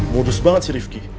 modus banget sih rifki